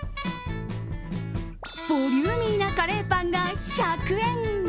ボリューミーなカレーパンが１００円。